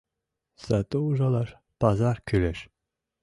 Сату ужалаш пазар кӱлеш.